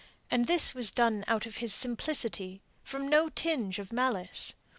And this was done out of his simplicity, and from no tinge of malice.